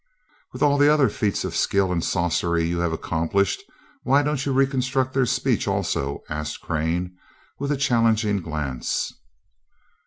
"With all the other feats of skill and sorcery you have accomplished, why don't you reconstruct their speech, also?" asked Crane, with a challenging glance.